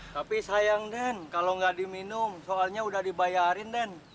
tapi sayang den kalau nggak diminum soalnya udah dibayarin den